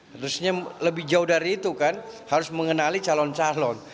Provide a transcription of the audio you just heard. harusnya lebih jauh dari itu kan harus mengenali calon calon